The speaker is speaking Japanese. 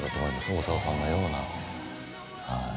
大沢さんのような。